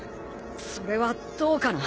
それはどうかな？